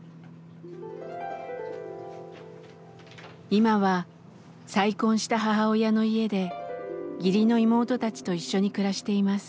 今は再婚した母親の家で義理の妹たちと一緒に暮らしています。